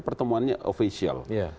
pertemuannya ofisial ya